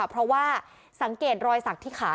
เพราะว่าสังเกตรอยสักที่ขา